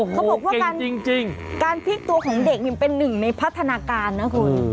เขาบอกว่าการพลิกตัวของเด็กเป็นหนึ่งในพัฒนาการนะคุณ